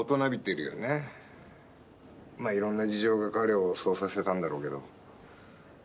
まあいろんな事情が彼をそうさせたんだろうけど。